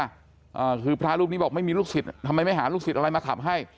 อ่าคือพระรูปนี้บอกไม่มีลูกศิษย์ทำไมไม่หาลูกศิษย์อะไรมาขับให้